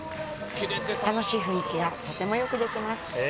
楽しい雰囲気がとてもよく出てます